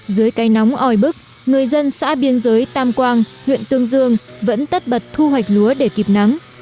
dưới cây nóng oi bức người dân xã biên giới tam quang huyện tương dương vẫn tất bật thu hoạch lúa để kịp nắng